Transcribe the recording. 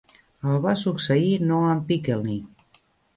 El va succeir Noam Pikelny.